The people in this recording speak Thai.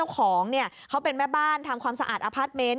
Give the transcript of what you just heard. ของเขาเป็นแม่บ้านทำความสะอาดอพาร์ทเมนต์